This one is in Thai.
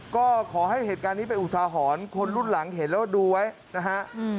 ก็ขอให้เหตุการณ์นี้เป็นอุทาหรณ์คนรุ่นหลังเห็นแล้วดูไว้นะฮะ